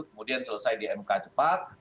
kemudian selesai di mk cepat